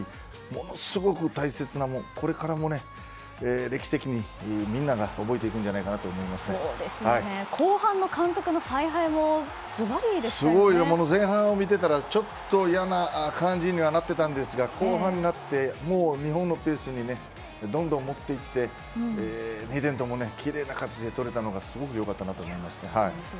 ものすごく大切なこれからも歴史的にみんなが覚えていくんじゃないかなと後半の監督の采配も前半を見てたらちょっと嫌な感じになってたんですが後半になって、日本のペースにどんどん持っていって２点ともきれいな形で取れたのがすごく良かったなと思います。